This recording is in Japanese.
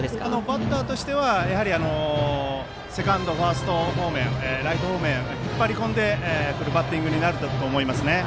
バッターとしてはセカンド、ファースト方面ライト方面、引っ張り込むバッティングになると思います。